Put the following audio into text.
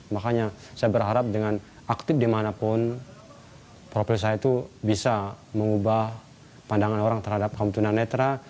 makanya saya berharap dengan aktif dimanapun profil saya itu bisa mengubah pandangan orang terhadap kaum tunanetra